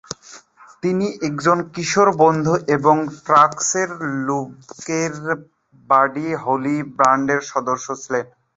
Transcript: তিনি একজন কিশোর বন্ধু এবং টেক্সাসের লুবকের বাডি হলি ব্যান্ডের সদস্য ছিলেন।